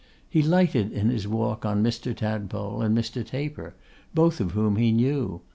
He lighted in his walk on Mr. Tadpole and Mr. Taper, both of whom he knew.